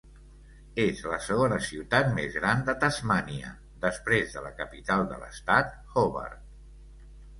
És la segona ciutat més gran de Tasmània després de la capital de l'estat Hobart.